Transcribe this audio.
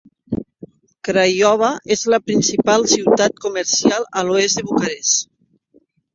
Craiova és la principal ciutat comercial a l'oest de Bucarest.